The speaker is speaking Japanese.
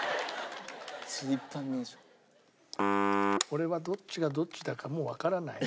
俺はどっちがどっちだかもうわからない。